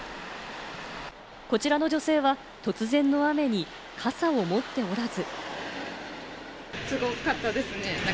こちらの女性は突然の雨に傘を持っておらず。